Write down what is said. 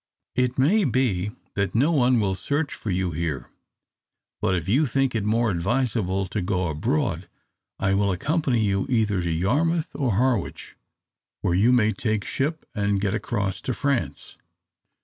It may be that no one will search for you here; but if you think it more advisable to go abroad, I will accompany you either to Yarmouth or Harwich, where you may take ship and get across to France."